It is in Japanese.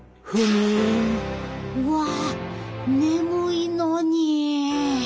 うわ眠いのに。